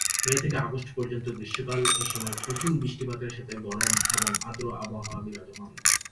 মে থেকে আগস্ট পর্যন্ত গ্রীষ্মকাল, এসময় প্রচুর বৃষ্টিপাতের সাথে গরম এবং আর্দ্র আবহাওয়া বিরাজমান।